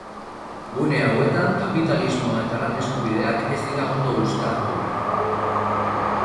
Gune hauetan, kapitalismoa eta lan eskubideak ez dira ondo uztartu.